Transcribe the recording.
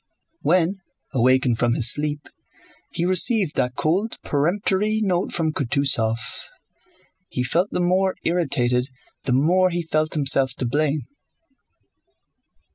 When, awakened from his sleep, he received that cold, peremptory note from Kutúzov, he felt the more irritated the more he felt himself to blame.